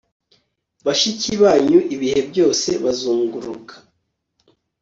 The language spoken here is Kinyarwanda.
Bashiki banyu ibihe byose bazunguruka